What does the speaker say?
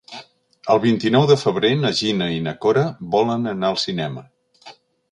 El vint-i-nou de febrer na Gina i na Cora volen anar al cinema.